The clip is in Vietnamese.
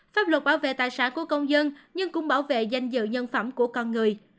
pháp luật bảo vệ tài sản của công dân nhưng cũng bảo vệ danh dự nhân phẩm của con người